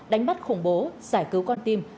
đánh bắt khủng bố giải cứu con tim